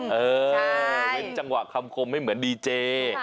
เว้นจังหวะคำคมไม่เหมือนดีเจ